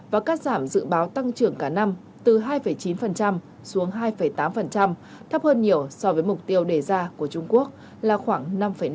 và cắt giảm dự báo tăng trưởng cả năm từ hai chín xuống hai tám thấp hơn nhiều so với mục tiêu đề ra của trung quốc là khoảng năm năm